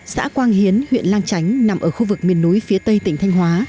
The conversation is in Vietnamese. xã quang hiến huyện lang chánh nằm ở khu vực miền núi phía tây tỉnh thanh hóa